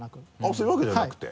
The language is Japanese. そういうわけじゃなくて？